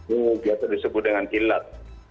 ini biasa disebut dengan ilat